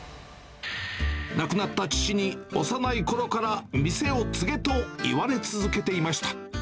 亡くなった父に幼いころから店を継げと言われ続けていました。